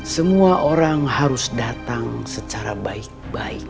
semua orang harus datang secara baik baik